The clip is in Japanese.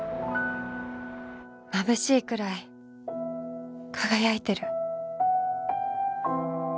まぶしいくらい輝いてる